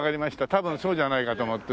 多分そうじゃないかと思って。